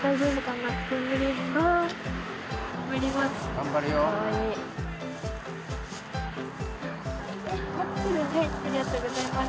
頑張ります